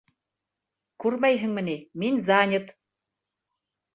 Күрмәйһеңме ни, мин занят!